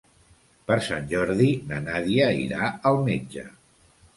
Per Sant Jordi na Nàdia irà al metge.